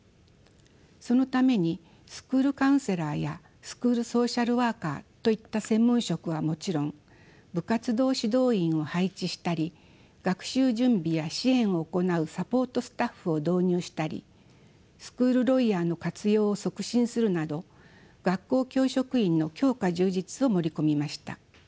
そのためにスクールカウンセラーやスクールソーシャルワーカーといった専門職はもちろん部活動指導員を配置したり学習準備や支援を行うサポートスタッフを導入したりスクールロイヤーの活用を促進するなど学校教職員の強化充実を盛り込みました。